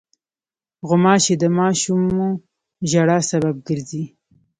غوماشې د ماشومو ژړا سبب ګرځي.